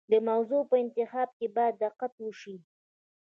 د موضوع په انتخاب کې باید دقت وشي.